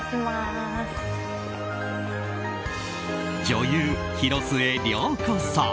女優・広末涼子さん。